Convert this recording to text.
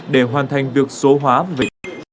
để hoàn thành việc số hóa vị trí